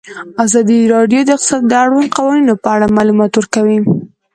ازادي راډیو د اقتصاد د اړونده قوانینو په اړه معلومات ورکړي.